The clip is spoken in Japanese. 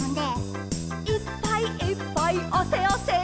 「いっぱいいっぱいあせあせ」